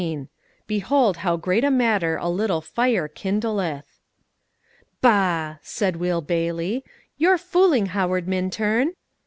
"Behold how great a matter a little fire kindleth." "Bah," said Will Bailey, "you're fooling, Howard Minturn!"